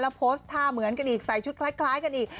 โพสต์ท่าเหมือนกันอีกใส่ชุดคล้ายกันอีก